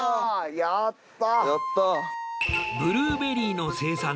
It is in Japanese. やった！